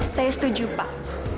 saya setuju pak